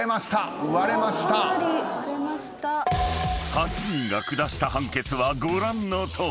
［８人が下した判決はご覧のとおり］